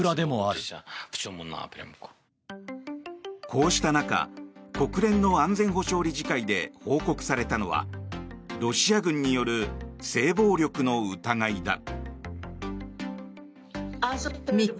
こうした中、国連の安全保障理事会で報告されたのはロシア軍による性暴力の疑いだ。